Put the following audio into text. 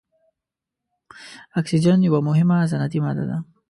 اکسیجن یوه مهمه صنعتي ماده ده.